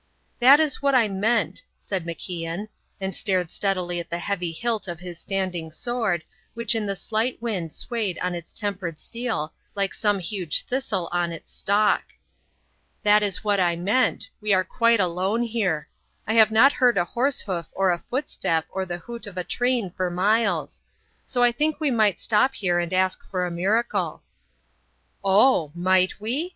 "That is what I meant," said MacIan, and stared steadily at the heavy hilt of his standing sword, which in the slight wind swayed on its tempered steel like some huge thistle on its stalk. "That is what I meant; we are quite alone here. I have not heard a horse hoof or a footstep or the hoot of a train for miles. So I think we might stop here and ask for a miracle." "Oh! might we?"